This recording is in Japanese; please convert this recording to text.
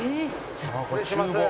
失礼します。